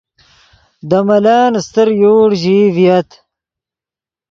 دے ملن استر یوڑ ژیئی ڤییت